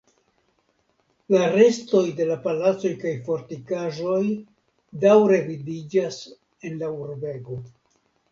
La restoj de la palacoj kaj fortikaĵoj daŭre vidiĝas en la urbego.